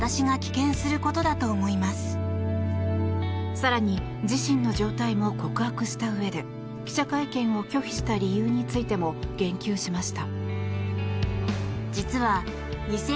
更に、自身の状態も告白したうえで記者会見を拒否した理由についても言及しました。